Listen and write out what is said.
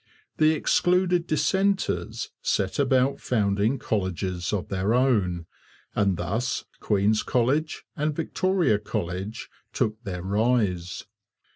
The excluded 'dissenters' set about founding colleges of their own; and thus Queen's College and Victoria College took their rise.